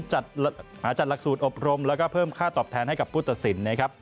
หาจัดหลักสูตรอบรมแล้วก็เพิ่มค่าตอบแทนให้กับพุทธสิน